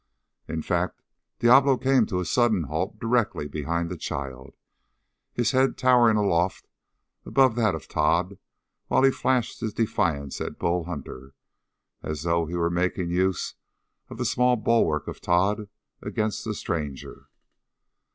In fact, Diablo came to a sudden halt directly behind the child, his head towering aloft above that of Tod while he flashed his defiance at Bull Hunter, as though he were making use of the small bulwark of Tod against the stranger.